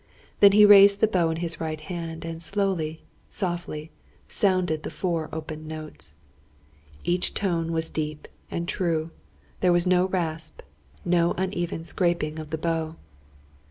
Then he raised the bow in his right hand, and slowly, softly, sounded the four open notes. Each tone was deep and true; there was no rasp no uneven scraping of the bow.